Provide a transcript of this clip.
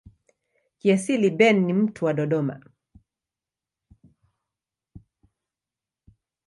Kiasili Ben ni mtu wa Dodoma.